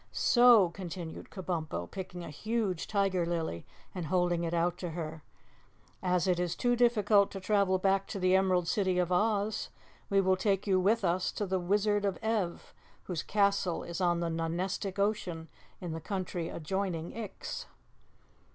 "So " continued Kabumpo, picking a huge tiger lily and holding it out to her, "as it is too difficult to travel back to the Emerald City of Oz, we will take you with us to the Wizard of Ev, whose castle is on the Nonestic Ocean in the country adjoining Ix."